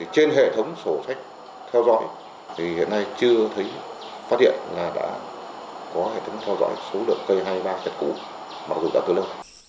trên hệ thống sổ sách theo dõi thì hiện nay chưa thấy phát hiện là đã có hệ thống theo dõi số lượng cây hai mươi ba chặt cũ mặc dù đã từ lâu